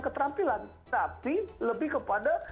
keterampilan tapi lebih kepada